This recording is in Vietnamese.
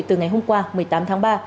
từ ngày hôm qua một mươi tám tháng ba